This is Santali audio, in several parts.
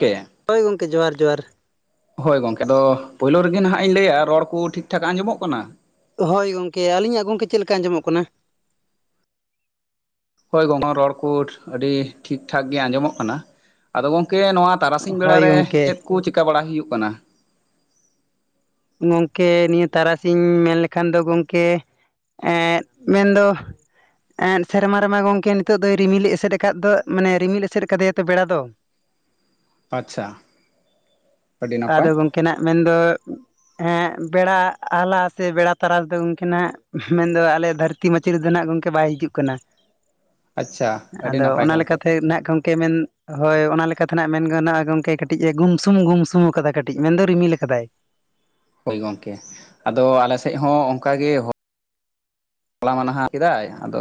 ᱠᱮᱭᱟ ᱦᱳᱭ ᱜᱚᱢᱠᱮ ᱡᱚᱦᱟᱨ ᱡᱚᱦᱟᱨ᱾ ᱦᱳᱭ ᱜᱚᱝᱠᱮ ᱟᱫᱚ ᱯᱳᱭᱞᱳ ᱨᱮᱜᱮ ᱱᱟᱦᱟᱜ ᱤᱧ ᱞᱟᱹᱭᱟ ᱨᱚᱲ ᱠᱚ ᱴᱷᱤᱠ ᱴᱷᱟᱠ ᱟᱸᱡᱚᱢᱚᱜ ᱠᱟᱱᱟ? ᱦᱳᱭ ᱜᱚᱝᱠᱮ᱾ ᱟᱹᱞᱤᱧᱟᱜ ᱜᱚᱢᱠᱮ ᱪᱮᱫ ᱞᱮᱠᱟ ᱟᱸᱡᱚᱢᱚᱜ ᱠᱟᱱᱟ? ᱦᱳᱭ ᱜᱚᱝᱚ ᱨᱚᱲ ᱠᱚ ᱟᱹᱰᱤ ᱴᱷᱤᱠ ᱴᱷᱟᱠ ᱜᱮ ᱟᱸᱡᱚᱢᱚᱜ ᱠᱟᱱᱟ ᱟᱫᱚ ᱜᱚᱝᱠᱮ ᱱᱚᱣᱟ ᱛᱟᱨᱟᱥᱤᱧ ᱦᱳᱭ ᱵᱮᱲᱟᱨᱮ ᱜᱚᱢᱠᱮ ᱪᱮᱫ ᱠᱚ ᱪᱤᱠᱟ ᱵᱟᱲᱟ ᱦᱩᱭᱩᱜ ᱠᱟᱱᱟ? ᱜᱚᱢᱠᱮ ᱱᱤᱭᱟᱹ ᱛᱟᱨᱟᱥᱤᱧ ᱢᱮᱱ ᱞᱮᱠᱷᱟᱱ ᱫᱚ ᱜᱚᱢᱠᱮ ᱮᱸ ᱢᱮᱱᱫᱚ ᱮᱸ ᱥᱮᱨᱢᱟ ᱨᱮᱢᱟ ᱜᱚᱢᱠᱮ ᱱᱤᱛᱚᱜ ᱫᱚᱭ ᱨᱤᱢᱤᱞ ᱮᱥᱮᱫ ᱟᱠᱟᱫ ᱫᱚ ᱢᱟᱱᱮ ᱨᱤᱢᱤᱞ ᱮᱥᱮᱫ ᱠᱟᱫᱮᱭᱟ ᱛᱚ ᱵᱮᱲᱟ ᱫᱚ᱾ ᱟᱪᱪᱷᱟ ᱟᱹᱰᱤ ᱱᱟᱯᱟᱭ ᱟᱫᱚ ᱜᱚᱢᱠᱮ ᱱᱟᱜ ᱢᱮᱱᱫᱚ ᱦᱮᱸ ᱵᱮᱲᱟ ᱟᱣᱞᱟ ᱥᱮ ᱵᱮᱲᱟ ᱛᱟᱨᱟᱥ ᱫᱚ ᱜᱚᱝᱠᱮᱱᱟᱜ ᱢᱮᱱᱫᱚ ᱟᱞᱮ ᱫᱷᱟᱹᱨᱛᱤ ᱫᱷᱟᱹᱨᱛᱤ ᱢᱟᱹᱪᱟᱫ ᱨᱮᱫᱚ ᱱᱟᱜ ᱜᱚᱢᱠᱮ ᱵᱟᱭ ᱦᱤᱡᱩᱜ ᱠᱟᱱᱟ᱾ ᱟᱪᱪᱷᱟ ᱟᱹᱰᱤ ᱟᱫᱚ ᱱᱟᱯᱟᱭ ᱚᱱᱟ ᱜᱚᱝᱠᱮ ᱞᱮᱠᱟᱛᱮ ᱱᱟᱜ ᱠᱚ ᱢᱮᱱ ᱦᱳᱭ ᱚᱱᱟ ᱞᱮᱠᱟ ᱛᱮᱱᱟᱜ ᱢᱮᱱ ᱜᱟᱱ-ᱟ ᱜᱚᱝᱠᱮ ᱠᱟᱹᱴᱤᱡ ᱜᱩᱢᱥᱩᱢ ᱜᱩᱢᱥᱩᱢ ᱥᱩ ᱟᱠᱟᱫᱟ ᱠᱟᱹᱴᱤᱡ ᱢᱮᱱᱫᱚ ᱨᱤᱢᱤᱞ ᱟᱠᱟᱫᱟᱭ ᱦᱳᱭ ᱜᱚᱢᱠᱮ ᱟᱫᱚ ᱟᱞᱮ ᱥᱮᱫ ᱦᱚᱸ ᱚᱱᱠᱟ ᱜᱮ ᱯᱟᱞᱟ ᱢᱟᱱᱟᱦᱟ ᱠᱮᱫᱟᱭ ᱟᱫᱚ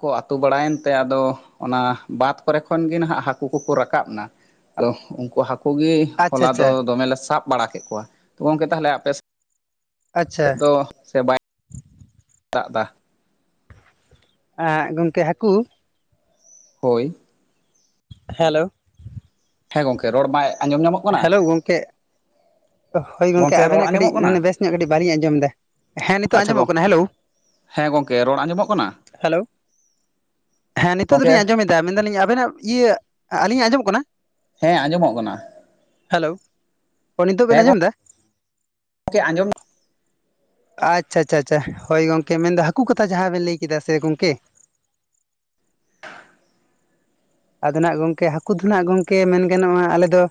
ᱠᱚ ᱟᱹᱛᱩ ᱵᱟᱲᱟᱭᱮᱱᱛᱮ ᱟᱫᱚ ᱚᱱᱟ ᱵᱟᱫ ᱠᱚᱨᱮ ᱠᱷᱚᱱ ᱜᱮ ᱱᱟᱦᱟᱜ ᱦᱟᱹᱠᱩ ᱠᱚᱠᱚ ᱨᱟᱠᱟᱵ ᱮᱱᱟ᱾ ᱟᱫᱚ ᱩᱱᱠᱩ ᱦᱟᱹᱠᱩ ᱜᱮ ᱟᱪᱪᱷᱟ ᱦᱚᱞᱟ ᱫᱚ ᱟᱪᱪᱷᱟ ᱫᱚᱢᱮᱞᱮ ᱥᱟᱵ ᱵᱟᱲᱟ ᱠᱮᱫ ᱠᱚᱣᱟ ᱛᱚ ᱜᱚᱝᱠᱮ ᱛᱟᱦᱚᱞᱮ ᱟᱯᱮᱥᱮ ᱟᱪᱪᱷᱟ ᱮᱫ ᱫᱚ ᱥᱮ ᱵᱟᱭ ᱫᱟᱜ ᱮᱫᱟ? ᱟᱸ ᱜᱚᱝᱠᱮ ᱦᱟᱹᱠᱩ? ᱦᱳᱭ ᱦᱮᱞᱳ ᱦᱮᱸ ᱜᱚᱝᱠᱮ ᱨᱚᱲ ᱵᱟᱭ ᱟᱸᱡᱚᱢ ᱧᱟᱢᱚᱜ ᱠᱟᱱᱟ ᱦᱮᱞᱳ ᱜᱚᱢᱠᱮ ᱦᱳᱭ ᱜᱚᱝᱠᱮ ᱨᱚᱲ ᱟᱵᱮᱱᱟᱜ ᱠᱟᱹᱴᱤᱡ ᱟᱸᱡᱚᱢᱚᱜ ᱢᱟᱱᱮ ᱠᱟᱱᱟ ᱵᱮᱥ ᱧᱚᱜ ᱠᱟᱹᱴᱤᱡ ᱵᱟᱝᱞᱤᱧ ᱟᱸᱡᱚᱢ ᱮᱫᱟ ᱦᱮᱸ ᱱᱤᱛᱚᱜ ᱟᱪᱪᱷᱟ ᱜᱚ ᱟᱸᱡᱚᱢᱚᱜ ᱠᱟᱱᱟ ᱦᱮᱞᱳ ᱦᱮᱸ ᱜᱚᱝᱠᱮ ᱨᱚᱲ ᱟᱸᱡᱚᱢᱚᱜ ᱠᱟᱱᱟ ᱦᱮᱞᱳ ᱦᱮᱸ ᱱᱤᱛᱚᱜ ᱜᱚᱝᱠᱮ ᱫᱚᱞᱤᱧ ᱟᱸᱡᱚᱢᱮᱫᱟ ᱢᱮᱱᱫᱟᱞᱤᱧ ᱟᱵᱮᱱᱟᱜ ᱤᱭᱟᱹ ᱟᱹᱞᱤᱧᱟᱜ ᱟᱸᱡᱚᱢᱚᱜ ᱠᱟᱱᱟ ᱦᱮᱸ ᱟᱸᱡᱚᱢᱚᱜ ᱠᱟᱱᱟ ᱦᱮᱞᱳ ᱱᱤᱛᱚᱜ ᱵᱮᱱ ᱟᱡᱚᱢ ᱮᱫᱟ ᱠᱮ ᱟᱸᱡᱚᱢ ᱟᱪᱪᱷᱟ ᱟᱪᱪᱷᱟ ᱟᱪᱪᱷᱟ ᱦᱳᱭ ᱜᱚᱝᱠᱮ ᱢᱮᱱ ᱮ ᱦᱟᱹᱠᱩ ᱠᱟᱛᱷᱟ ᱡᱟᱦᱟᱸ ᱵᱮᱱ ᱞᱟᱹᱭ ᱠᱮᱫᱟ ᱥᱮ ᱜᱚᱝᱠᱮ [inaudible] ᱟᱫᱚ ᱱᱟᱜ ᱜᱚᱢᱠᱮ ᱦᱟᱹᱠᱩ ᱫᱚ ᱱᱟᱜ ᱜᱚᱢᱠᱮ ᱢᱮᱱ ᱜᱟᱱᱚᱜ-ᱟ ᱟᱞᱮ ᱫᱚ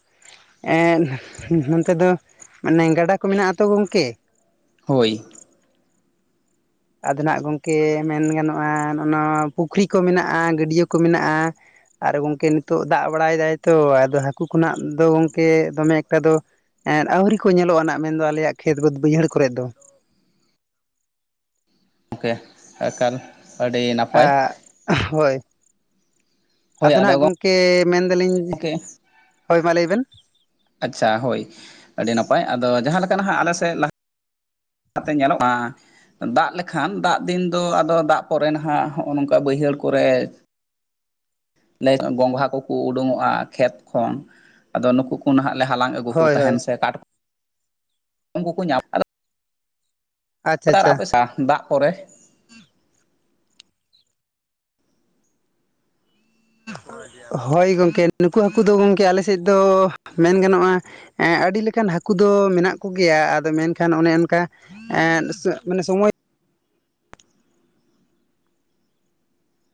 ᱮ ᱱᱚᱱᱚᱛᱮ ᱫᱚ ᱢᱟᱱᱮ ᱜᱟᱰᱟ ᱠᱚ ᱢᱮᱱᱟᱜ ᱟᱛᱚ ᱜᱚᱝᱠᱮ ᱦᱳᱭ ᱟᱫᱚ ᱱᱟᱜ ᱜᱚᱢᱠᱮ ᱢᱮᱱ ᱜᱟᱱᱚᱜ-ᱟ ᱱᱚᱣᱟ ᱯᱩᱠᱷᱨᱤ ᱠᱚ ᱢᱮᱱᱟᱜ-ᱟ ᱜᱟᱹᱰᱭᱟᱹ ᱠᱚ ᱢᱮᱱᱟᱜ-ᱟ ᱟᱨ ᱜᱚᱝᱠᱮ ᱱᱤᱛᱚᱜ ᱫᱟᱜ ᱵᱟᱲᱟᱭ ᱫᱟᱭ ᱛᱚ ᱟᱫᱚ ᱦᱟᱹᱠᱩ ᱠᱷᱚᱱᱟᱜ ᱫᱚ ᱜᱚᱝᱠᱮ ᱫᱚᱢᱮ ᱮᱠᱴᱟ ᱫᱚ ᱟᱹᱣᱨᱤ ᱠᱚ ᱧᱮᱞᱚᱜ-ᱟ ᱟᱜ ᱢᱮᱱᱫᱚ ᱟᱞᱮᱭᱟᱜ ᱠᱷᱮᱛ ᱵᱟᱹᱫᱽ ᱵᱟᱹᱭᱦᱟᱹᱲ ᱠᱚᱨᱮᱜ ᱫᱚ ᱜᱚᱢᱠᱮ ᱟᱠᱟᱞ ᱟᱹᱰᱤ ᱱᱟᱜ ᱦᱳᱭ ᱟᱫᱚ ᱱᱟᱜ ᱜᱚᱢᱠᱮ ᱢᱮᱱᱫᱟᱞᱤᱧ ᱜᱚᱝᱠᱮ ᱦᱳᱭ ᱢᱟ ᱞᱟᱹᱭ ᱵᱮᱱ ᱟᱪᱪᱷᱟ ᱦᱳᱭ ᱟᱹᱰᱤ ᱱᱟᱯᱟᱭ ᱟᱫᱚ ᱡᱟᱦᱟᱸ ᱞᱮᱠᱟ ᱱᱟᱦᱟᱜ ᱟᱞᱮ ᱥᱮᱫ ᱞᱟᱦᱟ ᱠᱟᱛᱮ ᱧᱮᱞᱚᱜ-ᱟ ᱫᱟᱜ ᱞᱮᱠᱷᱟᱱ ᱫᱟᱜ ᱫᱤᱱ ᱫᱚ ᱟᱫᱚ ᱫᱟᱜ ᱯᱚᱨᱮ ᱱᱟᱦᱟᱜ ᱦᱚᱜ-ᱚ ᱱᱚᱝᱠᱟ ᱵᱟᱹᱭᱦᱟᱹᱲ ᱠᱚᱨᱮ ᱞᱟᱹᱭ ᱜᱚᱸᱜᱷᱟ ᱠᱚᱠᱚ ᱩᱰᱩᱠᱚᱜ-ᱟ ᱠᱷᱮᱛ ᱠᱷᱚᱱ ᱟᱫᱚ ᱱᱩᱠᱩ ᱠᱚ ᱱᱟᱦᱟᱜ ᱞᱮ ᱦᱟᱞᱟᱝ ᱟᱹᱜᱩ ᱠᱚ ᱦᱳᱭ ᱦᱳᱭ ᱛᱟᱦᱮᱱ ᱥᱮ ᱠᱟᱴ ᱠᱚ ᱩᱱᱠᱩ ᱠᱚ [unintelligible] ᱟᱫᱚ ᱟᱪᱪᱷᱟ ᱟᱪᱪᱷᱟ [unintelligible] ᱫᱟᱜ ᱯᱚᱨᱮ ᱦᱳᱭ ᱜᱚᱢᱠᱮ ᱱᱩᱠᱩ ᱦᱟᱹᱠᱩ ᱫᱚ ᱜᱚᱢᱠᱮ ᱟᱞᱮ ᱥᱮᱫ ᱫᱚ ᱢᱮᱱ ᱜᱟᱱᱚᱜ-ᱟ ᱟᱹᱰᱤ ᱞᱮᱠᱟᱱ ᱦᱟᱹᱠᱩ ᱫᱚ ᱢᱮᱱᱟᱜ ᱠᱚᱜᱮᱭᱟ ᱟᱫᱚ ᱢᱮᱱᱠᱷᱟᱱ ᱚᱱᱮ ᱚᱱᱠᱟ ᱮ ᱢᱟᱱᱮ ᱥᱚᱢᱚᱭ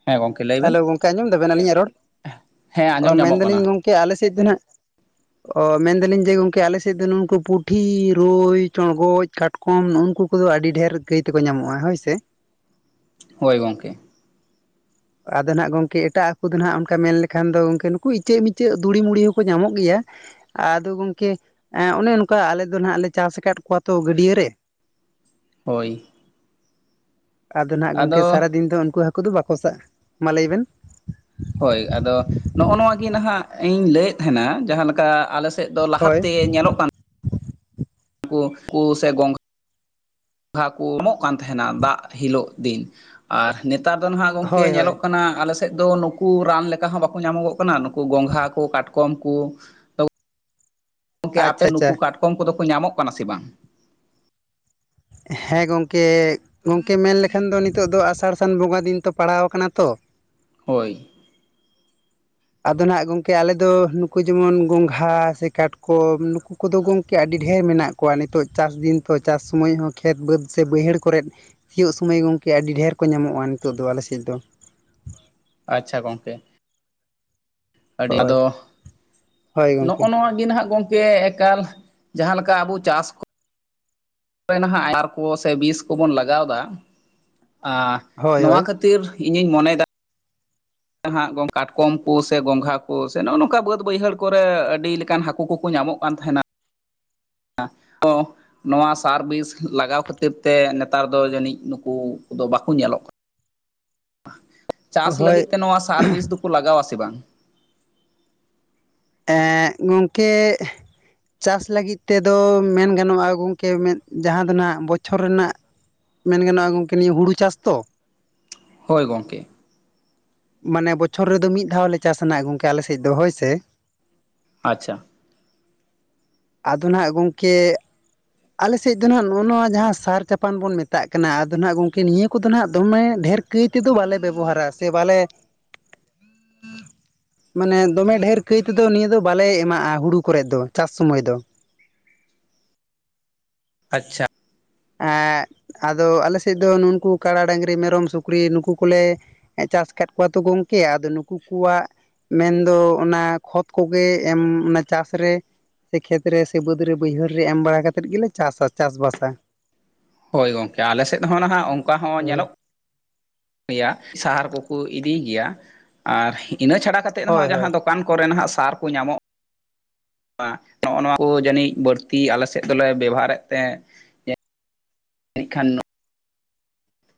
ᱦᱮᱸ ᱜᱚᱝᱠᱮ ᱞᱟᱹᱭ ᱵᱮᱱ ᱦᱮᱞᱳ ᱜᱚᱝᱠᱮ ᱟᱸᱡᱚᱢ ᱫᱟᱵᱮᱱ ᱟᱹᱞᱤᱧᱟᱜ ᱨᱚᱲ ᱦᱮᱸ ᱚ ᱟᱸᱡᱚᱢ ᱧᱟᱢᱚᱜ ᱢᱮᱱᱫᱟᱞᱤᱧ ᱠᱟᱱᱟ ᱜᱚᱢᱠᱮ ᱟᱞᱮ ᱥᱮᱫ ᱫᱚ ᱱᱟᱦᱟᱜ ᱚ ᱢᱮᱱᱫᱟᱞᱤᱧ ᱡᱮ ᱜᱚᱝᱠᱮ ᱟᱞᱮ ᱥᱮᱫ ᱫᱚ ᱱᱩᱠᱩ ᱯᱩᱴᱷᱤ ᱨᱩᱭ ᱪᱚᱲᱜᱚᱡ ᱠᱟᱴᱠᱚᱢ ᱠᱚᱢ ᱩᱱᱠᱩ ᱠᱚᱫᱚ ᱟᱹᱰᱤ ᱰᱷᱮᱨ ᱜᱟᱹᱭ ᱛᱮᱠᱚ ᱧᱟᱢᱚᱜ-ᱟ ᱦᱳᱭ ᱥᱮ ᱦᱳᱭ ᱜᱚᱢᱠᱮ ᱟᱫᱚ ᱦᱟᱸᱜ ᱜᱚᱢᱠᱮ ᱮᱴᱟᱜ ᱟᱠᱚ ᱫᱚ ᱟᱸᱜ ᱚᱱᱠᱟ ᱢᱮᱱ ᱞᱮᱠᱷᱟᱱ ᱫᱚ ᱜᱚᱝᱠᱮ ᱱᱩᱠᱩ ᱤᱪᱟᱹᱜ ᱤᱪᱟᱹᱜ ᱫᱩᱲᱤ ᱢᱩᱲᱤ ᱦᱚᱸᱠᱚ ᱧᱟᱢᱚᱜ ᱜᱮᱭᱟ ᱟᱫᱚ ᱜᱚᱝᱠᱮ ᱚᱱᱮ ᱚᱱᱠᱟ ᱟᱞᱮ ᱫᱚ ᱟᱜ ᱞᱮ ᱪᱟᱥ ᱟᱠᱟᱫ ᱠᱚᱣᱟ ᱛᱚ ᱜᱟᱹᱰᱭᱟᱹ ᱨᱮ ᱦᱳᱭ ᱟᱫᱚ ᱦᱟᱜ ᱜᱚᱢᱠᱮ ᱟᱫᱚ ᱥᱟᱨᱟᱫᱤᱱ ᱫᱚ ᱩᱱᱠᱩ ᱦᱟᱹᱠᱩ ᱫᱚ ᱵᱟᱠᱚ ᱥᱟᱜ ᱢᱟ ᱞᱟᱹᱭ ᱵᱮᱱ ᱦᱳᱭ ᱟᱫᱚ ᱱᱚᱜᱼᱚ ᱱᱚᱣᱟ ᱜᱮᱧ ᱱᱟᱦᱟᱜ ᱤᱧ ᱞᱟᱹᱭᱮᱫ ᱛᱟᱦᱮᱱᱟ ᱡᱟᱦᱟᱸᱮ ᱞᱮᱠᱟ ᱟᱞᱮ ᱥᱮᱫ ᱫᱚ ᱦᱳᱭ ᱞᱟᱦᱟᱛᱮ ᱧᱮᱞᱚᱜ ᱠᱟᱱ ᱠᱚ ᱠᱚ ᱥᱮ ᱜᱚᱝ ᱜᱚᱜᱷᱟ ᱠᱚ ᱮᱢᱚᱜ ᱠᱟᱱ ᱛᱟᱦᱮᱱᱟ ᱫᱟᱜ ᱦᱤᱞᱳᱜ ᱫᱤᱱ ᱟᱨ ᱱᱮᱛᱟᱨ ᱫᱚ ᱱᱟᱦᱟᱜ ᱜᱚᱢᱠᱮ ᱦᱳᱭ ᱦᱳᱭ ᱧᱮᱞᱚᱜ ᱠᱟᱱᱟ ᱟᱞᱮ ᱮᱫ ᱫᱚ ᱱᱩᱠᱩ ᱨᱟᱱ ᱞᱮᱠᱟ ᱦᱚᱸ ᱵᱟᱠᱚ ᱧᱟᱢᱚᱜᱚᱜ ᱠᱟᱱᱟ ᱱᱩᱠᱩ ᱜᱚᱝᱜᱷᱟ ᱠᱚ ᱠᱟᱴᱠᱚᱢ ᱠᱚ ᱜᱚᱝᱠᱮ ᱟᱯᱮ ᱟᱪᱪᱷᱟ ᱟᱪᱪᱷᱟ ᱱᱩᱠᱩ ᱠᱟᱴᱠᱚᱢ ᱠᱚᱫᱚ ᱠᱚ ᱧᱟᱢᱚᱜ ᱠᱟᱱᱟ ᱥᱮ ᱵᱟᱝ ᱦᱮᱸ ᱜᱚᱢᱠᱮ ᱜᱚᱢᱠᱮ ᱢᱮᱱ ᱞᱮᱠᱷᱟᱱ ᱫᱚ ᱱᱤᱛᱚᱜ ᱫᱚ ᱟᱥᱟᱲ ᱥᱟᱱ ᱵᱚᱸᱜᱟ ᱫᱤᱱ ᱛᱚ ᱯᱟᱲᱟᱣ ᱟᱠᱟᱱᱟ ᱛᱚ ᱦᱳᱭ ᱟᱫᱚ ᱱᱟᱦᱟᱜ ᱜᱚᱢᱠᱮ ᱟᱞᱮᱫᱚ ᱱᱩᱠᱩ ᱡᱮᱢᱚᱱ ᱜᱚᱝᱜᱷᱟ ᱥᱮ ᱠᱟᱴᱠᱚᱢ ᱱᱩᱠᱩ ᱠᱩᱫᱚ ᱜᱚᱢᱠᱮ ᱟᱹᱰᱤ ᱰᱷᱮᱨ ᱢᱮᱱᱟᱜ ᱠᱚᱣᱟ ᱱᱤᱛᱚᱜ ᱪᱟᱥ ᱫᱤᱱ ᱛᱚ ᱪᱟᱥ ᱥᱚᱢᱚᱭ ᱦᱚᱸ ᱠᱷᱮᱛ ᱵᱟᱹᱫᱽ ᱥᱮ ᱵᱟᱹᱭᱦᱟᱹᱲ ᱠᱚᱨᱮᱫ ᱥᱤᱭᱩᱜ ᱥᱚᱢᱳᱭ ᱜᱚᱝᱠᱮ ᱟᱹᱰᱤ ᱰᱷᱮᱨ ᱠᱚ ᱧᱟᱢᱚᱜᱼᱟ ᱱᱤᱛᱚᱜ ᱫᱚ ᱟᱞᱮᱥᱮᱫ ᱫᱚ ᱟᱪᱪᱷᱟ ᱜᱚᱝᱠᱮ ᱟᱹᱰᱤ ᱦᱳᱭ ᱟᱫᱚ ᱦᱳᱭ ᱱᱚᱜᱼᱚ ᱜᱚᱝᱠᱮ ᱱᱚᱣᱟ ᱜᱮ ᱱᱟᱦᱟᱜ ᱜᱚᱝᱠᱮ ᱮᱠᱟᱞ ᱡᱟᱦᱟᱸ ᱞᱮᱠᱟ ᱟᱵᱚ ᱪᱟᱥ ᱠᱚ ᱱᱟᱦᱟᱜ ᱥᱟᱨ ᱠᱚ ᱥᱮ ᱵᱤᱥ ᱠᱚᱵᱚᱱ ᱞᱟᱜᱟᱣᱫᱟ ᱟ ᱦᱳᱭ ᱱᱚᱣᱟ ᱦᱳᱭ ᱠᱷᱟᱹᱛᱤᱨ ᱠᱷᱟᱹᱛᱤᱨ ᱤᱧᱤᱧ ᱢᱚᱱᱮ ᱮᱫᱟ ᱦᱟᱸᱜ ᱠᱟᱴᱠᱚᱢ ᱠᱚ ᱥᱮ ᱜᱚᱝᱜᱷᱟ ᱠᱚ ᱥᱮ ᱱᱚᱜᱼᱚ ᱱᱚᱝᱠᱟ ᱵᱟᱹᱫᱽ ᱵᱟᱹᱭᱦᱟᱹᱲ ᱠᱚᱨᱮ ᱟᱹᱰᱤ ᱞᱮᱠᱟᱱ ᱦᱟᱹᱠᱩ ᱠᱚ ᱧᱟᱢᱚᱜ ᱠᱟᱱ ᱛᱟᱸᱦᱮᱱᱟ ᱱᱚᱣᱟ ᱥᱟᱨ ᱵᱤᱥ ᱞᱟᱜᱟᱣ ᱠᱷᱟᱹᱛᱤᱨ ᱛᱮ ᱱᱮᱛᱟᱨ ᱫᱚ ᱡᱟᱹᱱᱤᱡ ᱱᱩᱠᱩ ᱫᱚ ᱵᱟᱠᱚ ᱧᱮᱞᱚᱜ ᱪᱟᱥ ᱦᱳᱭ ᱞᱟᱹᱜᱤᱫ ᱛᱮ ᱱᱚᱣᱟ ᱥᱟᱨ ᱵᱤᱥ ᱫᱚᱠᱚ ᱞᱟᱜᱟᱣᱟ ᱥᱮ ᱵᱟᱝ ᱮ ᱜᱚᱝᱠᱮ ᱪᱟᱥ ᱞᱟᱹᱜᱤᱫ ᱛᱮᱫᱚ ᱢᱮᱱ ᱜᱟᱱᱚᱜᱼᱟ ᱜᱚᱢᱠᱮ ᱢᱮᱫ ᱡᱟᱦᱟᱸ ᱫᱚ ᱱᱟᱦᱟᱜ ᱵᱚᱪᱷᱚᱨ ᱨᱮᱱᱟᱜ ᱢᱮᱱ ᱜᱟᱱᱚᱜᱼᱟ ᱜᱚᱝᱠᱮ ᱱᱤᱭᱟᱹ ᱦᱩᱲᱩ ᱪᱟᱥ ᱛᱚ ᱦᱳᱭ ᱜᱚᱝᱠᱮ ᱢᱟᱱᱮ ᱵᱚᱪᱷᱚᱨ ᱨᱮᱫᱚ ᱢᱤᱫ ᱫᱷᱟᱣ ᱞᱮ ᱪᱟᱥᱱᱟ ᱜᱚᱝᱠᱮ ᱟᱞᱮ ᱥᱮᱫ ᱫᱚ ᱦᱳᱭ ᱥᱮ ᱟᱪᱪᱷᱟ ᱟᱫᱚ ᱱᱟᱜ ᱜᱚᱝᱠᱮ ᱟᱞᱮᱥᱮᱫ ᱫᱚ ᱱᱟᱦᱟᱜ ᱱᱚᱜᱼᱚ ᱡᱟᱦᱟᱸ ᱥᱟᱨ ᱪᱟᱯᱟᱱ ᱵᱚᱱ ᱢᱮᱛᱟᱜ ᱠᱟᱱᱟ ᱟᱫᱚ ᱱᱟᱦᱟᱜ ᱜᱚᱝᱠᱮ ᱱᱤᱭᱟᱹ ᱠᱚᱫᱚ ᱱᱟᱦᱟᱜ ᱫᱚᱢᱮ ᱰᱷᱮᱨ ᱛᱤ ᱛᱮᱫᱚ ᱵᱟᱞᱮ ᱵᱮᱵᱚᱦᱟᱨᱟ ᱥᱮ ᱵᱟᱞᱮ [inaudible] ᱢᱟᱱᱮ ᱫᱚᱢᱮ ᱰᱷᱮᱨ ᱠᱟᱹᱡ ᱛᱮᱫᱚ ᱱᱤᱭᱟᱹ ᱫᱚ ᱵᱟᱞᱮ ᱮᱢᱟᱜᱼᱟ ᱦᱩᱲᱩ ᱠᱚᱨᱮᱫ ᱫᱚ ᱪᱟᱥ ᱥᱚᱢᱚᱭ ᱫᱚ ᱟᱪᱪᱷᱟ ᱟᱼ ᱟᱫᱚ ᱟᱞᱮ ᱥᱮᱫ ᱫᱚ ᱱᱩᱠᱩ ᱠᱟᱰᱟ ᱰᱟᱝᱨᱤ ᱢᱮᱨᱚᱢ ᱥᱩᱠᱨᱤ ᱱᱩᱠᱩ ᱠᱚᱞᱮ ᱪᱟᱥ ᱟᱠᱟᱫ ᱠᱚᱣᱟ ᱛᱚ ᱜᱚᱝᱠᱮ ᱟᱫᱚ ᱱᱩᱠᱩ ᱠᱚᱣᱟᱜ ᱢᱮᱱᱫᱚ ᱚᱱᱟ ᱠᱷᱚᱛ ᱠᱚᱜᱮ ᱮᱢ ᱚᱱᱟ ᱪᱟᱥᱨᱮ ᱥᱮ ᱠᱷᱮᱛ ᱨᱮ ᱥᱮ ᱵᱟᱹᱫᱽ ᱨᱮ ᱵᱟᱹᱭᱦᱟᱹᱲ ᱨᱮ ᱮᱢ ᱵᱟᱲᱟ ᱠᱟᱛᱮᱫ ᱜᱮᱞᱮ ᱪᱟᱥᱟ ᱪᱟᱥ ᱵᱟᱥᱟ ᱦᱳᱭ ᱜᱚᱝᱠᱮ ᱟᱞᱮᱥᱮᱫ ᱦᱚᱸ ᱱᱟᱦᱟᱜ ᱚᱱᱠᱟ ᱦᱚᱸ ᱦᱳᱭ ᱧᱮᱞᱚᱜ ᱜᱮᱭᱟ ᱥᱟᱦᱟᱨ ᱠᱚᱠᱚ ᱤᱫᱤᱭ ᱜᱮᱭᱟ ᱟᱨ ᱤᱱᱟᱹ ᱪᱷᱟᱲᱟ ᱠᱟᱛᱮ ᱦᱚᱸ ᱦᱳᱭ ᱡᱟᱦᱟᱸ ᱦᱳᱭ ᱫᱚ ᱫᱚᱠᱟᱱ ᱠᱚᱨᱮ ᱱᱟᱦᱟᱜ ᱥᱟᱨ ᱠᱚ ᱧᱟᱢᱚᱜ [unintelligible] ᱱᱚᱜᱼᱚ ᱱᱚᱣᱟ ᱠᱚ ᱡᱟᱹᱱᱤᱡ ᱵᱟᱹᱲᱛᱤ ᱟᱞᱮ ᱥᱮᱫ ᱫᱚᱞᱮ ᱵᱮᱵᱚᱦᱟᱨᱮᱫ ᱛᱮ ᱡᱟᱹᱱᱤᱡ ᱠᱷᱟᱱ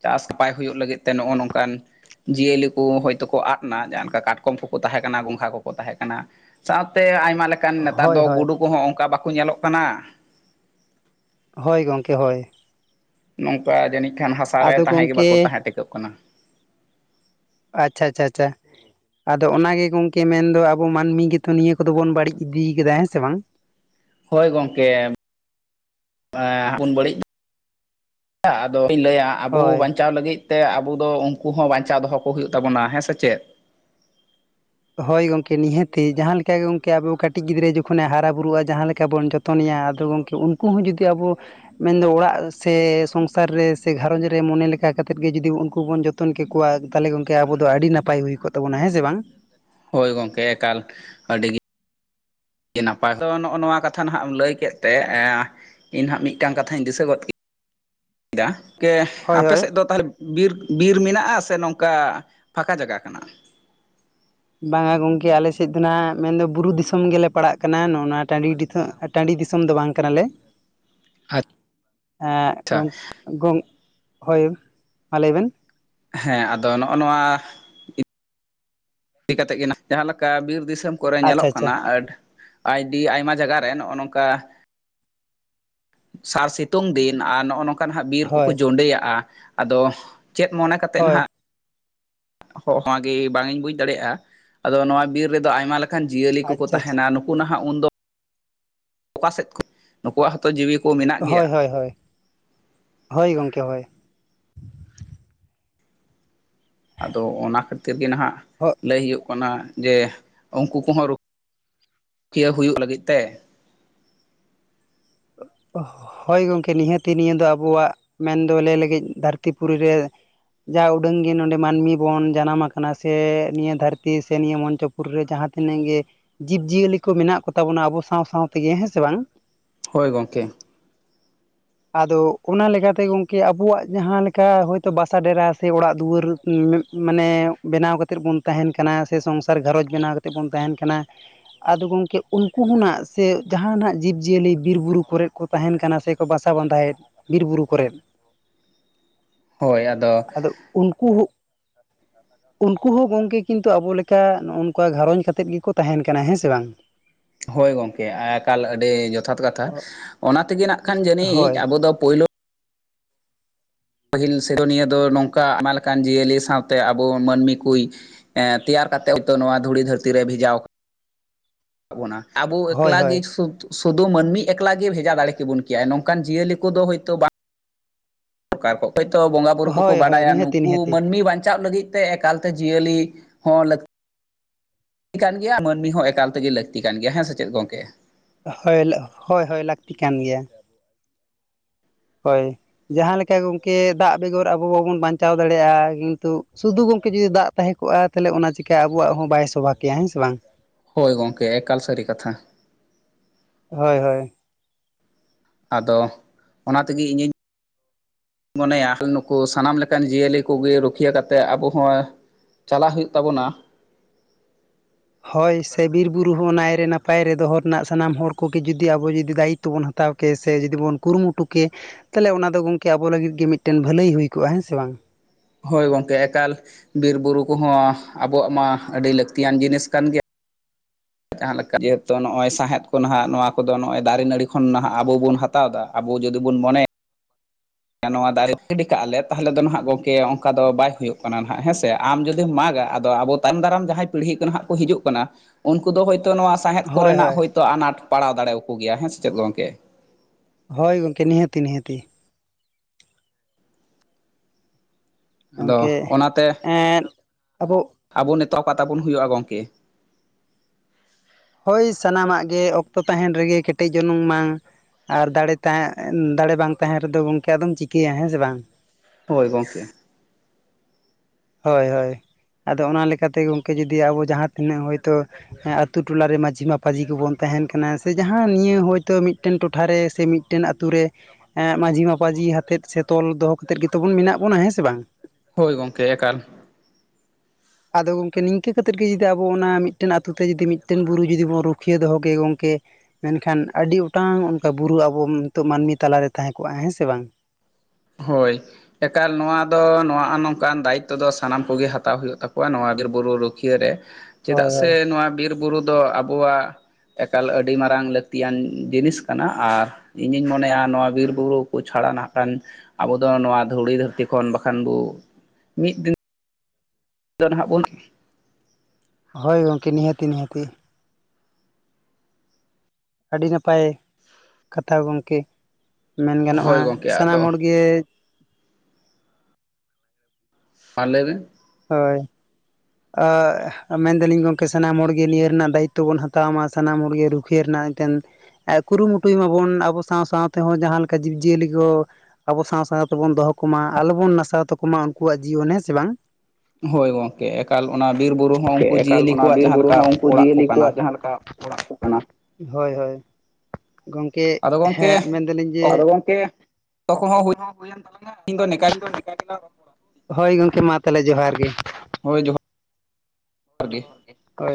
ᱪᱟᱥ ᱵᱟᱭ ᱦᱩᱭᱩᱜ ᱞᱟᱹᱜᱤᱫ ᱛᱮ ᱱᱚᱜᱼᱚ ᱱᱚᱝᱠᱟᱱ ᱡᱤᱭᱟᱹᱞᱤ ᱠᱚ ᱦᱳᱭᱛᱳ ᱠᱚ ᱟᱫ ᱮᱱᱟ ᱡᱟᱦᱟᱸ ᱚᱱᱠᱟ ᱠᱟᱴᱠᱚᱢ ᱠᱚᱠᱚ ᱛᱟᱦᱮᱸ ᱠᱟᱱᱟ ᱜᱚᱝᱜᱷᱟ ᱠᱚᱠᱚ ᱛᱟᱦᱮᱸ ᱠᱟᱱᱟ ᱥᱟᱶᱛᱮ ᱟᱭᱢᱟ ᱞᱮᱠᱟᱱ ᱱᱮᱛᱟᱨ ᱦᱳᱭ ᱫᱚ ᱦᱳᱭ ᱜᱩᱰᱩ ᱠᱚᱦᱚᱸ ᱚᱱᱠᱟ ᱵᱟᱠᱚ ᱧᱮᱞᱚᱜ ᱠᱟᱱᱟ ᱦᱳᱭ ᱜᱚᱝᱠᱮ ᱦᱳᱭ ᱱᱚᱝᱠᱟ ᱡᱟᱹᱱᱤᱡ ᱠᱷᱟᱱ ᱦᱟᱥᱟ ᱨᱮ ᱟᱫᱚ ᱛᱟᱦᱮᱸ ᱜᱮ ᱵᱟᱠᱚ ᱜᱚᱢᱠᱮ ᱛᱟᱦᱮᱸ ᱴᱷᱤᱠᱟᱹᱜ ᱠᱟᱱᱟ ᱟᱪᱪᱷᱟ ᱟᱪᱷᱟ ᱟᱪᱷᱟ ᱟᱫᱚ ᱚᱱᱟᱜ ᱜᱮ ᱜᱚᱝᱠᱮ ᱢᱮᱱᱫᱚ ᱟᱵᱚ ᱢᱟᱹᱱᱢᱤ ᱜᱮᱛᱚ ᱱᱤᱭᱟᱹ ᱠᱚᱫᱚ ᱵᱚᱱ ᱵᱟᱹᱲᱤᱡ ᱤᱫᱤ ᱠᱟᱫᱟ ᱦᱮᱸ ᱥᱮ ᱵᱟᱝ ᱦᱳᱭ ᱜᱚᱝᱠᱮ [unintelligible] ᱟ ᱵᱟᱹᱲᱤᱡ ᱟᱫᱚᱧ ᱞᱟᱹᱭᱟ ᱟᱵᱚ ᱦᱳᱭ ᱵᱟᱧᱪᱟᱣ ᱞᱟᱹᱜᱤᱫ ᱛᱮ ᱟᱵᱚ ᱫᱚ ᱩᱱᱠᱩ ᱦᱚᱸ ᱵᱟᱧᱪᱟᱣ ᱫᱚᱦᱚ ᱠᱚ ᱦᱩᱭᱩᱜ ᱛᱟᱵᱚᱱᱟ ᱦᱮᱸ ᱥᱮ ᱪᱮᱫ ᱦᱳᱭ ᱜᱚᱢᱠᱮ ᱱᱤᱦᱟᱹᱛᱤ ᱡᱟᱦᱟᱸ ᱞᱮᱠᱟ ᱜᱮ ᱜᱚᱢᱠᱮ ᱟᱚᱴᱤᱡ ᱜᱤᱫᱽᱨᱟᱹ ᱡᱚᱠᱷᱚᱱᱮ ᱦᱟᱨᱟ ᱵᱩᱨᱩᱜᱼᱟ ᱡᱟᱦᱟᱸ ᱞᱮᱠᱟ ᱵᱚᱱ ᱡᱚᱛᱚ ᱡᱚᱛᱚᱱᱮᱭᱟ ᱟᱫᱚ ᱜᱚᱢᱠᱮ ᱩᱱᱠᱩ ᱜᱮ ᱡᱩᱫᱤ ᱟᱵᱚ ᱢᱮᱱᱫᱚ ᱚᱲᱟᱜ ᱥᱮ ᱥᱚᱝᱥᱟᱨ ᱨᱮ ᱥᱮ ᱜᱷᱟᱨᱚᱸᱡᱽ ᱨᱮ ᱢᱚᱱᱮ ᱞᱮᱠᱟ ᱠᱟᱛᱮᱫ ᱜᱮ ᱡᱩᱫᱤ ᱩᱱᱠᱩ ᱵᱚᱱ ᱡᱚᱛᱚ ᱡᱚᱛᱚᱱ ᱠᱮᱠᱚᱣᱟ ᱛᱟᱦᱚᱞᱮ ᱜᱚᱢᱠᱮ ᱟᱵᱚ ᱫᱚ ᱟᱹᱰᱤ ᱱᱟᱯᱟᱭ ᱦᱩᱭ ᱠᱚᱜ ᱛᱟᱵᱚᱱᱟ ᱦᱮᱸ ᱥᱮᱮ ᱵᱟᱝ ᱦᱳᱭ ᱜᱚᱝᱠᱮ ᱮᱠᱟᱞ ᱟᱹᱰᱤ ᱜᱮ ᱟᱹᱰᱤ ᱱᱟᱯᱟᱭᱚ ᱱᱚᱜᱼᱚ ᱱᱚᱣᱟ ᱠᱟᱛᱷᱟ ᱱᱟᱜ ᱮᱢ ᱞᱟᱹᱭ ᱠᱮᱫ ᱛᱮ ᱤᱧ ᱦᱟᱸᱜ ᱢᱤᱫᱴᱟᱝ ᱠᱟᱛᱷᱟᱧ ᱫᱤᱥᱟᱹ ᱜᱚᱫ ᱠᱮᱫ ᱠᱮᱫᱟ ᱡᱮ ᱦᱳᱭ ᱟᱯᱮ ᱦᱳᱭ ᱥᱮᱫ ᱫᱚ ᱛᱟᱦᱞᱮ ᱵᱤᱨ ᱵᱤᱨ ᱢᱮᱱᱟᱜᱼᱟ ᱥᱮ ᱱᱚᱝᱠᱟ ᱯᱷᱟᱠᱟ ᱡᱟᱭᱜᱟ ᱠᱟᱱᱟ ᱵᱟᱝᱟ ᱜᱚᱢᱠᱮ ᱟᱞᱮ ᱥᱮᱫ ᱫᱚ ᱱᱟᱜ ᱢᱮᱱᱫᱚ ᱵᱩᱨᱩ ᱫᱤᱥᱚᱢ ᱜᱮᱞᱮ ᱯᱟᱲᱟᱜ ᱠᱟᱱᱟ ᱱᱚᱜᱼᱚ ᱱᱚᱣᱟ ᱴᱟᱺᱰᱤ ᱴᱟᱺᱰᱤ ᱫᱤᱥᱚᱢ ᱫᱚ ᱵᱟᱝ ᱠᱟᱱᱟᱞᱮ ᱟᱪ ᱦᱮ ᱜᱚᱝ ᱜᱚᱝ ᱦᱳᱭ ᱢᱟ ᱞᱟᱹᱭ ᱵᱮᱱ ᱦᱮᱸ ᱟᱫᱚ ᱱᱚᱜᱼᱚ ᱱᱚᱣᱟ ᱤᱫᱤ ᱠᱟᱛᱮ ᱜᱮ ᱱᱟᱟᱜ ᱡᱟᱦᱟᱸᱮᱠᱟ ᱵᱤᱨ ᱫᱤᱥᱚᱢ ᱠᱚᱨᱮ ᱟᱪᱪᱷᱟ ᱧᱮᱞᱚᱜ ᱟᱪᱪᱷᱟ ᱠᱟᱱᱟ ᱟᱹᱰᱤ ᱟᱭᱢᱟ ᱡᱟᱭᱟᱨᱮ ᱱᱚᱜᱼᱚ ᱱᱚᱝᱠᱟ ᱥᱟᱨ ᱥᱤᱛᱩᱝ ᱫᱤᱱ ᱟᱨ ᱱᱚᱜᱼᱚ ᱱᱚᱝᱠᱟ ᱱᱟᱟᱸᱜ ᱵᱤᱨ ᱠᱚᱠᱚ ᱦᱳᱭ ᱡᱚᱸᱰᱭᱟᱜᱼᱟ ᱟᱫᱚ ᱪᱮᱫ ᱢᱚᱱᱮ ᱠᱟᱛᱮᱫ ᱦᱳᱭ ᱱᱟᱦᱜ ᱦᱚᱭ ᱱᱚᱣᱟᱜᱮ ᱵᱟᱝ ᱤᱧ ᱵᱩᱡᱽ ᱫᱟᱲᱮᱭᱟᱜᱼᱟ ᱟᱫᱚ ᱱᱚᱣᱟ ᱵᱤᱨ ᱨᱮᱫᱚ ᱟᱭᱢᱟ ᱞᱮᱠᱟ ᱠᱷᱟᱱ ᱡᱤᱭᱟᱹᱞᱤ ᱠᱚᱠᱚ ᱟᱪᱪᱷᱟ ᱟᱪᱪᱷᱟ ᱛᱟᱦᱮᱱᱟ ᱱᱩᱠᱩ ᱱᱟᱦᱟᱜ ᱩᱱᱫᱚ ᱚᱠᱟ ᱥᱮᱫ ᱠᱚ ᱱᱩᱠᱩᱣᱟᱜ ᱦᱛᱚ ᱡᱤᱣᱤ ᱠᱚ ᱢᱮᱱᱟᱜ ᱜᱮᱭᱟ ᱦᱳᱭ ᱦᱳᱭ ᱦᱳᱭ ᱦᱳᱭ ᱜᱚᱢᱠᱮ ᱦᱳᱭ ᱟᱫᱚ ᱚᱱᱟ ᱠᱷᱟᱹᱛᱤᱨ ᱜᱮ ᱱᱟᱦᱟᱜ ᱞᱟᱹᱭ ᱦᱩᱭᱩᱜ ᱚᱱᱟ ᱡᱮ ᱩᱱᱠᱩ ᱠᱚᱦᱚᱸ ᱨᱠᱷᱤᱭᱟᱹ ᱦᱩᱭᱩᱜ ᱞᱟᱹᱜᱤᱫ ᱛᱮ ᱦᱳᱭ ᱜᱚᱢᱠᱮ ᱱᱤᱦᱟᱹᱛᱤ ᱱᱤᱭᱟᱹ ᱫᱚ ᱟᱵᱚᱣᱟᱜ ᱢᱮᱱᱫᱚ ᱞᱮ-ᱞᱮᱜᱮᱡ ᱫᱷᱟᱹᱨᱛᱤ ᱯᱩᱨᱤ ᱨᱮ ᱡᱟ ᱩᱰᱟᱹᱝ ᱜᱮ ᱱᱚᱰᱮ ᱢᱟᱹᱱᱢᱤ ᱵᱚᱱ ᱡᱟᱱᱟᱢ ᱟᱠᱟᱱᱟ ᱥᱮ ᱱᱤᱭᱟᱹ ᱫᱷᱟᱹᱨᱛᱤ ᱥᱮ ᱱᱤᱭᱟᱹ ᱢᱚᱧᱪᱚ ᱯᱩᱨ ᱨᱮ ᱡᱟᱦᱟᱸ ᱛᱤᱱᱟᱹᱜ ᱜᱮ ᱡᱤᱵᱽᱡᱤᱭᱟᱹᱞᱤ ᱠᱚ ᱢᱮᱱᱟᱜ ᱠᱚᱛᱟ ᱵᱚᱱᱟ ᱟᱵᱚ ᱥᱟᱶ ᱥᱟᱶ ᱛᱮᱜᱮ ᱦᱮᱸ ᱥᱮ ᱵᱟᱝ ᱦᱳᱭ ᱜᱚᱢᱠᱮ ᱟᱫᱚ ᱚᱱᱟ ᱞᱮᱠᱟᱛᱮ ᱜᱚᱝᱠᱮ ᱟᱵᱚᱣᱟᱜ ᱡᱟᱦᱟᱸ ᱞᱮᱠᱟ ᱦᱚᱭᱛᱳ ᱵᱟᱥᱟ ᱰᱮᱨᱟ ᱥᱮ ᱚᱲᱟᱜ ᱫᱩᱣᱟᱹᱨ ᱢᱟᱱᱮ ᱵᱮᱱᱟᱣ ᱠᱟᱛᱮᱫ ᱵᱚᱱ ᱛᱟᱦᱮᱱ ᱠᱟᱱᱟ ᱥᱮ ᱥᱚᱝᱥᱟᱨ ᱜᱷᱟᱨᱚᱸᱡᱽ ᱵᱮᱱᱟᱣ ᱠᱟᱛᱮᱫ ᱵᱚᱱ ᱛᱟᱦᱮᱱ ᱠᱟᱱᱟ ᱟᱫᱚ ᱜᱚᱢᱠᱮ ᱩᱱᱠᱩ ᱦᱚᱸᱱᱟᱜ ᱥᱮ ᱡᱟᱦᱟᱱᱟᱜ ᱡᱤᱵᱽᱼᱡᱤᱭᱟᱹᱞᱤ ᱵᱤᱨ ᱵᱩᱨᱩ ᱠᱚᱨᱮ ᱠᱚ ᱛᱟᱦᱮᱱ ᱠᱟᱱᱟ ᱥᱮᱠᱚ ᱵᱟᱥ ᱟᱥᱟ ᱵᱟᱸᱫᱟᱭᱮᱫ ᱵᱤᱨ ᱵᱩᱨᱩ ᱠᱚᱨᱮᱫ ᱦᱳᱭ ᱟᱫᱚ ᱩᱱᱠᱩ ᱦᱚᱸ ᱩᱱᱠᱩ ᱦᱚᱸ ᱜᱚᱝᱠᱮ ᱠᱤᱱᱛᱩ ᱟᱵᱚ ᱞᱮᱠᱟ ᱱᱚᱜ ᱱᱚᱝᱠᱟ ᱜᱷᱟᱨᱚᱸᱡᱽ ᱠᱟᱛᱮᱫ ᱜᱮᱠᱚ ᱛᱟᱦᱮᱱ ᱠᱟᱱᱟ ᱦᱮᱸ ᱥᱮ ᱵᱟᱝ [unintelligible] ᱦᱳᱭ ᱜᱚᱢᱠᱮ ᱮᱠᱟᱞ ᱟᱹᱰᱤ ᱡᱚᱛᱷᱟᱛ ᱠᱟᱛᱷᱟ ᱚᱱᱟ ᱛᱮᱜᱮ ᱱᱟᱜ ᱠᱷᱟᱱ ᱡᱟᱹᱱᱤᱡ ᱦᱳᱭ ᱟᱵᱚ ᱯᱳᱭᱞᱳ ᱯᱟᱹᱦᱤᱞ ᱥᱤᱨᱡᱚᱱᱤᱭᱟᱹ ᱫᱚ ᱱᱚᱝᱠᱟ ᱟᱭᱢᱟ ᱞᱮᱠᱟᱱ ᱡᱤᱭᱟᱹᱞᱤ ᱥᱟᱶᱛᱮ ᱟᱵᱚ ᱢᱟᱹᱱᱢᱤ ᱠᱚ ᱮᱸ ᱛᱮᱭᱟᱨ ᱠᱟᱛᱮᱫ ᱦᱚᱭᱛᱚ ᱱᱚᱣᱟ ᱫᱷᱩᱲᱤ ᱫᱷᱟᱹᱨᱛᱤ ᱨᱮ ᱵᱷᱮᱡᱟᱣ ᱟᱵᱚ ᱱᱟᱜ ᱟᱵᱚ ᱦᱳᱭ ᱮᱠᱞᱟ ᱦᱳᱭ ᱜᱮ ᱥᱩᱫ ᱥᱩᱫᱷᱩ ᱢᱟᱹᱱᱢᱤ ᱮᱠᱞᱟ ᱜᱮ ᱵᱷᱮᱡᱟ ᱫᱟᱲᱮ ᱠᱮᱵᱚᱱ ᱠᱮᱭᱟ ᱱᱚᱝᱠᱟᱱ ᱡᱤᱭᱟᱹᱞᱤ ᱠᱚᱫᱚ ᱦᱭᱛᱳ ᱵᱟᱝ ᱥᱚᱨᱠᱟᱨ ᱠᱚ ᱠᱷᱚᱱ ᱛᱚ ᱵᱚᱸᱜᱟ ᱵᱳᱨᱳ ᱠᱚᱠᱚ ᱦᱳᱭ ᱦᱳᱭ ᱵᱟᱰᱟᱭᱟ ᱱᱤᱦᱟᱹᱛᱤ ᱱᱩᱠᱩ ᱱᱤᱦᱟᱹᱛᱤ ᱢᱟᱹᱱᱢᱤ ᱵᱟᱧᱪᱟᱜ ᱞᱟᱹᱜᱤᱫ ᱛᱮ ᱮᱠᱟᱞᱛᱮ ᱡᱤᱭᱟᱹᱞᱤ ᱦᱚᱸ ᱞᱟᱹᱠ ᱞᱟᱹᱠᱛᱤ ᱠᱟᱱ ᱜᱮᱭᱟ ᱢᱟᱹᱱᱢᱤ ᱦᱚᱸ ᱮᱠᱟᱞᱜᱮ ᱞᱟᱹᱠᱛᱤ ᱠᱟᱱ ᱜᱮᱭᱟ ᱦᱮᱸ ᱥᱮ ᱪᱮᱫ ᱜᱚᱝᱠᱮ ᱦᱳᱭ ᱞᱚ ᱦᱳᱭ ᱞᱟᱹᱠᱛᱤ ᱠᱟᱱ ᱜᱮᱭᱟ ᱦᱳᱭ ᱡᱟᱦᱟᱸᱮᱠᱟ ᱜᱚᱝᱠᱮ ᱫᱟᱜ ᱵᱮᱜᱚᱨ ᱟᱵᱚ ᱵᱟᱵᱚᱱ ᱵᱟᱧᱪᱟᱣ ᱫᱟᱲᱮᱭᱟᱜᱼᱟ ᱠᱤᱱᱛᱩ ᱥᱩᱫᱷᱩ ᱜᱚᱝᱠᱮ ᱡᱩᱫᱤ ᱫᱟᱜ ᱛᱟᱦᱮᱸ ᱠᱚᱜᱼᱟ ᱾ ᱛᱟᱦᱚᱞᱮ ᱚᱱᱟ ᱪᱮᱠᱟ ᱟᱵᱚᱣᱟᱜ ᱦᱚᱸ ᱵᱟᱭ ᱥᱚᱵᱷᱟ ᱠᱮᱭᱟ ᱦᱮᱸ ᱥᱮ ᱵᱟᱝ ᱦᱳᱭ ᱜᱚᱢᱠᱮ ᱮᱠᱟᱞ ᱥᱟᱹᱨᱤ ᱠᱟᱛᱷᱟ ᱾ ᱦᱳᱭ ᱦᱳᱭ ᱾ ᱟᱫᱚ ᱚᱱᱟ ᱛᱮᱜᱮ ᱤᱧᱤᱧ ᱾ ᱢᱚᱱᱮᱭᱟ ᱱᱩᱠᱩ ᱥᱟᱱᱟᱢ ᱞᱮᱠᱟᱱ ᱡᱤᱭᱟᱹᱞᱤ ᱠᱚᱜᱮ ᱨᱩᱠᱷᱤᱭᱟᱹ ᱠᱟᱛᱮ ᱟᱵᱚ ᱦᱚᱸ ᱪᱟᱞᱟᱜ ᱦᱩᱭᱩᱜ ᱛᱟᱵᱚᱱᱟ ᱾ ᱦᱳᱭ ᱥᱮ ᱵᱤᱨᱼ ᱵᱩᱨᱩ ᱦᱚᱸ ᱱᱟᱭᱨᱮ ᱱᱟᱯᱟᱭ ᱨᱮ ᱫᱚᱦᱚ ᱨᱮᱱᱟᱜ ᱥᱟᱱᱟᱢ ᱦᱚᱲ ᱠᱚᱜᱮ ᱡᱩᱫᱤ ᱟᱵᱚ ᱡᱩᱫᱤ ᱫᱟᱭᱤᱛᱚ ᱵᱚᱱ ᱦᱟᱛᱟᱣᱟ ᱦᱟᱛᱟᱣ ᱠᱮ ᱥᱮ ᱡᱩᱫᱤ ᱵᱚᱱ ᱠᱩᱨᱩᱢᱩᱴᱩ ᱠᱮ ᱛᱟᱦᱚᱞᱮ ᱚᱱᱟᱫᱚ ᱜᱚᱢᱠᱮ ᱟᱵᱚ ᱞᱟᱹᱜᱤᱫ ᱜᱮ ᱢᱤᱫᱴᱮᱱ ᱵᱷᱟᱹᱞᱟᱹᱭ ᱦᱩᱭ ᱠᱚᱜᱼᱟ ᱦᱮᱸ ᱥᱮ ᱵᱟᱝ ᱦᱳᱭ ᱜᱚᱝᱠᱮ ᱮᱠᱟᱞ ᱵᱤᱨ ᱵᱩᱨᱩ ᱠᱚᱦᱚᱸ ᱟᱵᱚᱣᱟᱜ ᱢᱟ ᱟᱹᱰᱤ ᱞᱟᱹᱠᱛᱤᱭᱟᱱ ᱡᱤᱱᱤᱥ ᱠᱟᱱ ᱜᱮᱭᱟ ᱡᱟᱦᱟᱸ ᱞᱮᱠᱟ ᱡᱮᱦᱮᱛᱩ ᱱᱚᱜᱼᱚᱭ ᱥᱟᱶᱸᱦᱮᱫ ᱠᱚ ᱱᱟᱦᱟᱜ ᱱᱚᱣᱟ ᱠᱚᱫᱚ ᱱᱚᱜᱼᱚᱭ ᱫᱟᱨᱮ ᱱᱟᱹᱤ ᱠᱷᱚᱱ ᱱᱟᱦᱟᱜ ᱟᱵᱚ ᱵᱚᱱ ᱦᱟᱛᱟᱟᱣ ᱦᱟᱛᱟᱣᱫᱟ ᱟᱵᱚ ᱡᱩᱫᱤ ᱵᱚᱱ ᱢᱚᱱᱮᱭᱟ ᱱᱚᱣᱟ ᱫᱟᱨᱮ ᱜᱤᱰᱤ ᱠᱟᱜᱼᱟᱞᱮ ᱛᱟᱦᱚᱞᱮ ᱫᱚ ᱱᱟᱦᱜ ᱜᱚᱢᱠᱮ ᱚᱱᱠᱟ ᱫᱚ ᱵᱟᱭ ᱦᱩᱭᱩᱜ ᱠᱟᱱᱟ ᱱᱟᱦᱜ ᱦᱮᱸ ᱥᱮ ᱟᱢ ᱡᱩᱫᱤᱢ ᱢᱟᱜᱟ ᱟᱫᱚ ᱟᱵᱚ ᱛᱟᱭᱚᱢ ᱫᱟᱨᱟᱢ ᱡᱟᱦᱟᱸᱭ ᱯᱤᱲᱦᱤ ᱠᱚ ᱱᱟᱦᱟᱜ ᱠᱚ ᱦᱤᱡᱩᱜ ᱠᱟᱱᱟ ᱩᱱᱠᱩ ᱫᱚ ᱦᱭᱛᱳ ᱱᱚᱣᱟ ᱾ ᱥᱟᱸᱮᱫ ᱦᱳᱭ ᱠᱚᱨᱮᱱᱟᱜ ᱦᱳᱭ ᱦᱳᱭᱛᱳ ᱟᱱᱟᱴ ᱯᱟᱲᱟᱣ ᱫᱟᱲᱮᱭᱟ ᱠᱚ ᱜᱮᱭᱟ ᱦᱮᱸ ᱥᱮ ᱪᱮᱫ ᱜᱚᱝᱠᱮ ᱾ ᱦᱳᱭ ᱜᱚᱢᱠᱮ ᱱᱤᱦᱟᱹᱛᱤ ᱱᱤᱦᱟᱹᱛᱤ ᱾ ᱟᱫᱚ ᱜᱚᱢᱠᱮ ᱚᱱᱟᱛᱮ [unintelligible] ᱟᱵᱚᱜ ᱟᱵᱚ ᱱᱤᱛᱚᱜ ᱚᱠᱟᱛᱟᱵᱚᱱ ᱦᱩᱭᱩᱜᱼᱟ ᱜᱚᱢᱠᱮ, ᱾ ᱦᱳᱭ ᱥᱟᱱᱟᱢᱟᱜ ᱜᱮ ᱚᱠᱛᱚ ᱛᱟᱦᱮᱸᱱ ᱨᱮᱜᱮ ᱠᱷᱮᱴᱮᱡ ᱡᱚᱱᱩᱝ ᱢᱟ ᱾ ᱟᱨ ᱫᱟᱲᱮ ᱛᱟᱦᱮᱸ ᱮ ᱫᱟᱲᱮ ᱵᱟᱝ ᱛᱟᱦᱮᱸᱱ ᱨᱮᱫᱚ ᱜᱚᱢᱠᱮ ᱟᱫᱚᱢ ᱪᱤᱠᱟᱹᱭᱟ ᱦᱮᱸ ᱥᱮ ᱵᱟᱝ ᱾ ᱦᱳᱭ ᱜᱚᱝᱠᱮ ᱾ ᱦᱳᱭ ᱦᱳᱭ ᱟᱫᱚ ᱚᱱᱟ ᱞᱮᱠᱟᱛᱮ ᱜᱚᱢᱠᱮ ᱡᱩᱫᱤ ᱟᱵᱚ ᱡᱟᱦᱟᱸ ᱛᱤᱱᱟᱹᱜ ᱦᱚᱭᱛᱳ ᱟᱹᱛᱩ ᱴᱚᱞᱟ ᱨᱮ ᱢᱟᱡᱷᱤ ᱢᱟᱯᱟᱡᱷᱤ ᱠᱚᱵᱚᱱ ᱛᱟᱦᱮᱱ ᱠᱟᱱᱟ ᱥᱮ ᱡᱟᱦᱟᱸ ᱱᱤᱭᱟᱹ ᱦᱚᱭᱛᱳ ᱢᱤᱫᱴᱮᱱ ᱴᱚᱴᱷᱟᱨᱮ ᱥᱮ ᱢᱤᱫ ᱢᱤᱫᱴᱮᱱ ᱟᱹᱛᱩ ᱨᱮ ᱮ ᱢᱟᱺᱡᱷᱤ ᱢᱟᱯᱟᱡᱷᱤ ᱦᱟᱛᱮᱫ ᱥᱮ ᱛᱚᱞ ᱫᱚᱦᱚ ᱠᱟᱛᱮᱫ ᱜᱮᱛᱚᱵᱚᱱ ᱢᱮᱱᱟᱜ ᱵᱚᱱᱟ ᱦᱮᱸ ᱥᱮ ᱵᱟᱝ? ᱦᱳᱭ ᱜᱚᱢᱠᱮ ᱮᱠᱟᱞ ᱾ ᱟᱫᱚ ᱜᱚᱢᱠᱮ ᱱᱤᱝᱠᱟ ᱠᱟᱛᱮ ᱜᱮ ᱡᱚᱫᱤ ᱟᱵᱚ ᱚᱱᱟ ᱢᱤᱫ ᱴᱟᱝ ᱟᱹᱛᱩ ᱛᱮ ᱢᱤᱫ ᱴᱟᱝ ᱵᱩᱨᱩ ᱡᱩᱫᱤ ᱨᱩᱠᱷᱤᱭᱟᱹ ᱫᱚ ᱦᱚ ᱠᱤᱭᱟ ᱜᱚᱢᱠᱮ, ᱢᱮᱱᱠᱷᱟᱱ ᱟᱹᱰᱤ ᱜᱚᱴᱟᱝ ᱚᱱᱠᱟ ᱵᱩᱨᱩ ᱟᱵᱚ ᱱᱤᱛᱚᱜ ᱢᱟᱹᱱᱢᱤ ᱛᱟᱞᱟᱨᱮ ᱛᱟᱦᱮᱸ ᱠᱚᱜ-ᱟ ᱦᱮᱸ ᱥᱮ ᱵᱟᱝ? ᱦᱳᱭ ᱾ ᱮᱠᱟᱞ ᱱᱚᱣᱟ ᱫᱚ ᱱᱚᱣᱟ ᱟᱱ ᱚᱝᱠᱟᱱ ᱫᱟᱭᱤᱛᱛᱚ ᱫᱚ ᱥᱟᱱᱟᱢ ᱠᱚᱜᱮ ᱦᱟᱛᱟᱣ ᱦᱩᱭᱩᱜ ᱛᱟᱠᱚᱣᱟ ᱱᱚᱣᱟ ᱵᱤᱨ ᱵᱩᱨᱩ ᱨᱩ [unintelligible] ᱨᱩᱠᱷᱤᱭᱟᱹ ᱨᱮ ᱦᱳᱭ ᱪᱮᱫᱟᱜ ᱥᱮ ᱦᱳᱭ ᱱᱚᱣᱟ ᱵᱤᱨᱵᱩᱨᱩ ᱫᱚ ᱟᱵᱚᱣᱟᱜ ᱮᱠᱟᱞ ᱟᱹᱰᱤ ᱢᱟᱨᱟᱝ ᱞᱟᱹᱠᱛᱤᱭᱟᱱ ᱡᱤᱱᱤᱥ ᱠᱟᱱᱟ ᱟᱨ, ᱤᱧ ᱧᱤᱧ ᱢᱚᱱᱮᱭᱟ ᱱᱚᱣᱟ ᱵᱤᱨ ᱵᱩᱨᱩ ᱠᱚ ᱪᱷᱟᱲᱟᱱ ᱟᱠᱟᱱ ᱟᱵᱚ ᱫᱚ ᱱᱚᱣᱟ ᱫᱷᱩᱲᱤ ᱫᱷᱟᱹᱨᱛᱤ ᱠᱷᱚᱱ ᱵᱟᱠᱷᱟᱱ ᱵᱚ ᱢᱤᱫ ᱫᱤᱱ [inaudible] ᱱᱟᱦᱟᱜ ᱵᱚᱱ ᱦᱳᱭ ᱜᱚᱢᱠᱮ ᱱᱤᱦᱟᱹᱛᱤ ᱱᱤᱦᱟᱹᱛᱤ ᱟᱹᱰᱤ ᱱᱟᱯᱟᱭ ᱠᱟᱛᱷᱟ ᱜᱚᱢᱠᱮ ᱢᱮᱱ ᱦᱳᱭ ᱜᱟᱱᱚᱜᱼᱟ ᱜᱚᱝᱠᱮ ᱥᱟᱱᱟᱢ ᱟᱫᱚ ᱦᱚᱲᱜᱮ ᱟᱞᱮᱨᱮᱱ ᱾ ᱦᱳᱭ ᱟᱻᱟᱜ ᱢᱮᱱᱫᱟᱞᱤᱧ ᱜᱚᱢᱠᱮ ᱥᱟᱱᱟᱢ ᱦᱚᱲᱜᱮ ᱱᱤᱭᱟᱹ ᱨᱮᱱᱟᱜ ᱫᱟᱭᱤᱛᱛᱚ ᱵᱚᱱ ᱦᱟᱛᱟᱣ ᱢᱟ ᱥᱟᱱᱟᱢ ᱦᱚᱲᱜᱮ ᱨᱩᱠᱷᱤᱭᱟᱹ ᱨᱮᱱᱟᱜ ᱮᱱᱠᱷᱟᱱ ᱠᱩᱨᱩᱢᱩᱴᱩᱭ ᱢᱟᱵᱚᱱ ᱟᱵᱚ ᱥᱟᱶ ᱥᱟᱶᱛᱮᱦᱚᱸ ᱡᱟᱦᱟᱸ ᱞᱮᱠᱟ ᱡᱤᱵᱽᱼᱡᱤᱭᱟᱹᱞᱤ ᱠᱚ ᱦᱚᱸ ᱟᱵᱚ ᱥᱟᱶ ᱥᱟᱶ ᱛᱮᱵᱚᱱ ᱫᱚᱦᱚ ᱠᱚᱢᱟ ᱟᱞᱚᱵᱚᱱ ᱱᱟᱥᱟᱣ ᱛᱟᱠᱚ ᱢᱟ ᱩᱱᱠᱩᱣᱟᱜ ᱡᱤᱭᱚᱱ ᱦᱮᱸ ᱥᱮ ᱵᱟᱝ? ᱦᱳᱭ ᱜᱚᱝᱠᱮ ᱮᱠᱟᱞ ᱚᱱᱟ ᱵᱤᱨ ᱵᱩᱨᱩ ᱦᱚᱸ ᱩᱱᱠᱩ ᱮᱠᱟᱞ ᱡᱤᱭᱟᱹᱞᱤ ᱚᱱᱟ ᱠᱚᱣᱟᱜ ᱡᱟᱦᱟᱸ ᱵᱤᱨᱵᱩᱨᱩ ᱞᱮᱠᱟ ᱦᱚᱸ ᱩᱱᱠᱩ ᱚᱲᱟᱜ ᱠᱚ ᱡᱤᱭᱟᱹᱞᱤ ᱠᱟᱱᱟ ᱠᱚᱣᱟᱜ ᱡᱟᱦᱟᱸ ᱞᱮᱠᱟ ᱚᱲᱟᱜ ᱠᱚ ᱠᱟᱱᱟ ᱦᱳᱭ ᱦᱳᱭ ᱾ ᱜᱚᱝᱠᱮ ᱟᱫᱚ ᱜᱚᱝᱠᱮ ᱦᱮᱸ ᱢᱮᱱᱫᱟᱞᱤᱧ ᱡᱮ ᱟᱫᱚ ᱚᱠᱛᱚ ᱜᱚᱝᱠᱮ ᱚᱠᱛᱚ ᱠᱚᱦᱚ ᱦᱩᱭᱮᱱ [unintelligible] ᱤᱧ ᱫᱚ ᱱᱮᱠᱟ [unintelligible] ᱦᱳᱭ ᱜᱚᱝᱠᱮ ᱢᱟ ᱛᱟᱦᱚᱞᱮ ᱡᱚᱦᱟᱨ ᱜᱮ ᱾ ᱦᱳᱭ ᱡᱚᱦᱚ [unintelligible] ᱦᱩᱭ ᱡᱚᱦᱟᱨ ᱜᱮ ᱦᱳᱭ [inaudible]